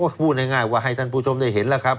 พูดง่ายว่าให้ท่านผู้ชมได้เห็นแล้วครับ